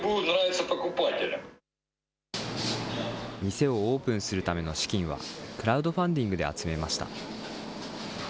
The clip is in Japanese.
店をオープンするための資金は、クラウドファンディングで集めました。